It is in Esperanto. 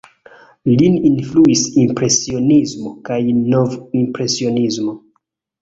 Lin influis Impresionismo kaj Nov-impresionismo.